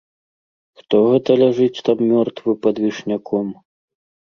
Хто гэта ляжыць там мёртвы пад вішняком?